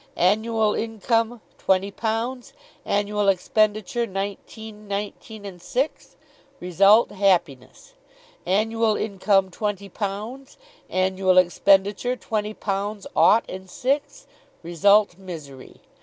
Annual income twenty pounds, annual expenditure nineteen nineteen and six, result happiness. Annual income twenty pounds, annual expenditure twenty pounds ought and six, result misery.